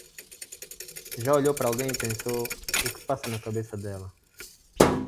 Já olhou para alguém e pensou, o que passa na cabeça dela?